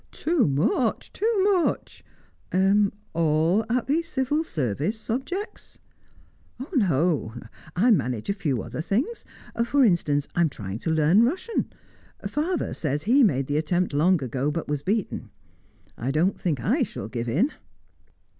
"Too much! too much! All at the Civil Service subjects?" "No; I manage a few other things. For instance, I'm trying to learn Russian. Father says he made the attempt long ago, but was beaten. I don't think I shall give in."